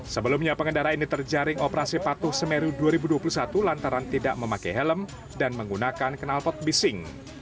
sebelumnya pengendara ini terjaring operasi patuh semeru dua ribu dua puluh satu lantaran tidak memakai helm dan menggunakan kenalpot bising